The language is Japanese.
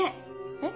えっ？